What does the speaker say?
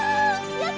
やった！